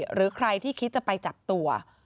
หรือใครที่คิดจะไปจับตัว